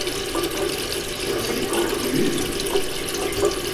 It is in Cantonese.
潮州牛肉丸